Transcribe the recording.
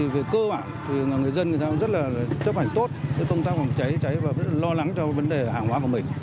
về cơ bản thì người dân người ta rất là chấp hành tốt với công tác phòng cháy cháy và rất là lo lắng cho vấn đề hàng hóa của mình